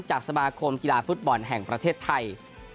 สมาคมกีฬาฟุตบอลแห่งประเทศไทย